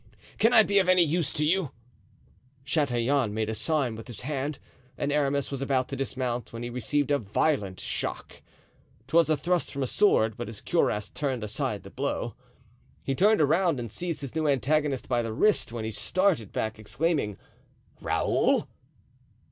Can I be of any use to you?" Chatillon made a sign with his hand and Aramis was about to dismount when he received a violent shock; 'twas a thrust from a sword, but his cuirass turned aside the blow. He turned around and seized his new antagonist by the wrist, when he started back, exclaiming, "Raoul!"